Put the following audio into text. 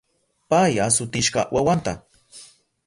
Pay asutishka wawanta.